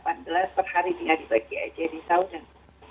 biar dibagi aja di saunan